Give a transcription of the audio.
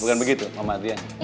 bukan begitu sama adriana